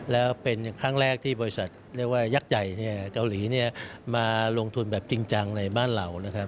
แล้วเป็นครั้งแรกที่บริษัทเรียกว่ายักษ์ใหญ่เกาหลีมาลงทุนแบบจริงจังในบ้านเรานะครับ